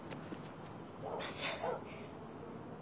すいません